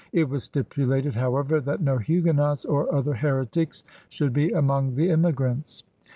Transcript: It was stipulated, however, that no Huguenots or other heretics should be among the immigrants.